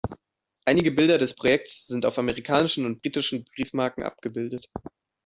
Einige Bilder des Projekts sind auf amerikanischen und britischen Briefmarken abgebildet.